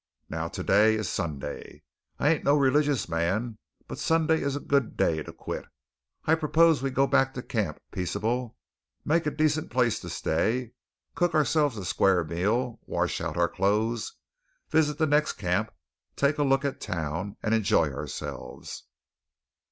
Now to day is Sunday. I ain't no religious man; but Sunday is a good day to quit. I propose we go back to camp peaceable, make a decent place to stay, cook ourselves up a squar' meal, wash out our clothes, visit the next camp, take a look at town, and enjoy ourselves."